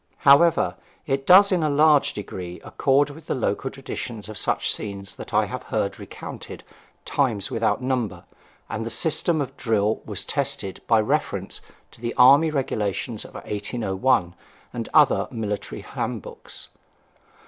However, it does in a large degree accord with the local traditions of such scenes that I have heard recounted, times without number, and the system of drill was tested by reference to the Army Regulations of 1801, and other military handbooks.